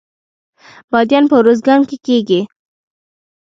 بادیان په ارزګان کې کیږي